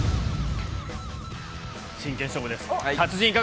真剣勝負です。